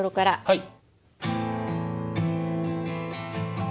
はい。